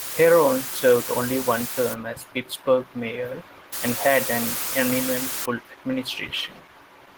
Herron served only one term as Pittsburgh Mayor and had an uneventful administration.